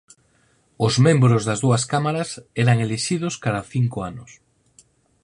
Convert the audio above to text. Os membros das dúas cámaras eran elixidos cada cinco anos.